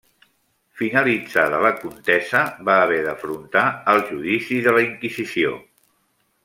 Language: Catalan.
Finalitzada la contesa va haver d'afrontar el judici de la Inquisició.